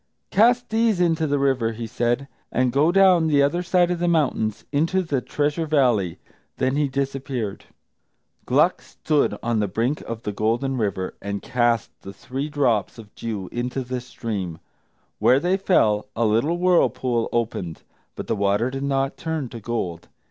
"Cast these into the river," he said, "and go down the other side of the mountains into the Treasure Valley." Then he disappeared. Gluck stood on the brink of the Golden River, and cast the three drops of dew into the stream. Where they fell, a little whirlpool opened; but the water did not turn to gold.